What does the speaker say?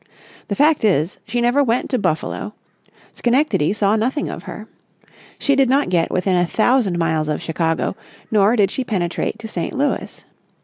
The fact is, she never went to Buffalo. Schenectady saw nothing of her. She did not get within a thousand miles of Chicago, nor did she penetrate to St. Louis.